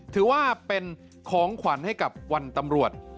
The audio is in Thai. ถือว่าเป็นของขวัญให้กับวันตำรวจ